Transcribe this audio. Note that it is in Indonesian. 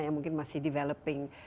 yang mungkin masih developing